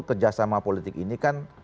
kerjasama politik ini kan